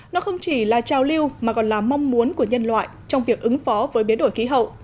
nó không chỉ là trao lưu mà còn là mong muốn của nhân loại trong việc ứng phó với biến đổi khí hậu